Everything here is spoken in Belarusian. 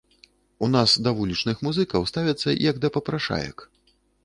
У нас да вулічных музыкаў ставяцца як да папрашаек.